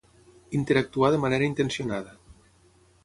interactuar de manera intencionada